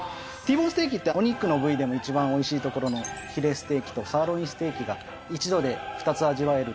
Ｔボーンステーキって、お肉の部位でも一番おいしい所のヒレステーキとサーロインステーキが一度で２つ味わえる。